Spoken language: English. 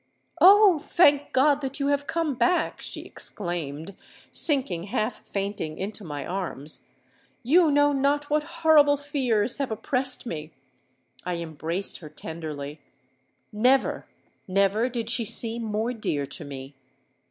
'Oh! thank God that you have come back!' she exclaimed, sinking half fainting into my arms: 'you know not what horrible fears have oppressed me!'—I embraced her tenderly: never—never did she seem more dear to me!